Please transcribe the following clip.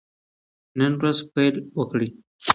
نن ورځ پیل وکړئ.